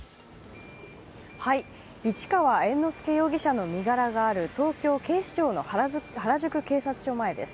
市川猿之助容疑者の身柄がある東京警視庁の原宿警察署前です。